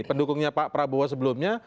pendukungnya pak prabowo sebelumnya